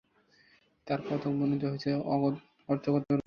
তার কতক বর্ণিত হয়েছে অর্থগতরূপে।